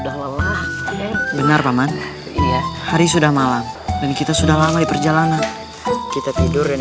udah lelah benar paman ini ya hari sudah malam dan kita sudah lama di perjalanan kita tidur ini